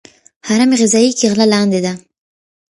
هرم غذایی کې غله لاندې ده.